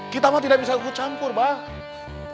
kita mah tidak bisa ikut campur bang